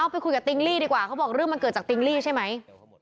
ไปคุยกับติ๊งลี่ดีกว่าเขาบอกเรื่องมันเกิดจากติ๊งลี่ใช่ไหม